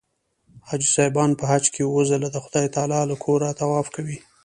حاجي صاحبان په حج کې اووه ځله د خدای تعلی له کوره طواف کوي.